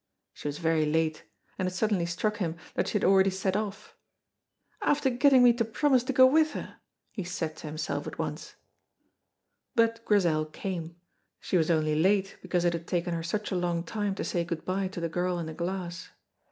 She was very late, and it suddenly struck him that she had already set off. "After getting me to promise to go wi' her!" he said to himself at once. But Grizel came; she was only late because it had taken her such a long time to say good by to the girl in the glass.